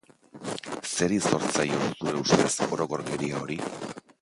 Zeri zor zaio, zure ustez, orokorkeria hori?